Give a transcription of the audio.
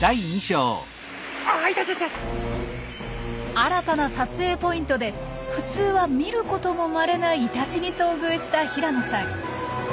新たな撮影ポイントで普通は見ることもまれなイタチに遭遇した平野さん。